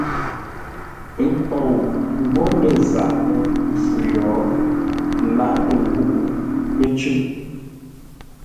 Ə́ pou ngwǒ lə́ zaghʼə mpfu yo, ə lâʼ pə̂ ngúʼ; pə́ cʉ̂ʼ.